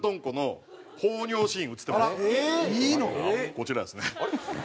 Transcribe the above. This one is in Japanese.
こちらですね。